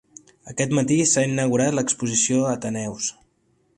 Aquest matí s'ha inaugurat l'exposició Ateneus.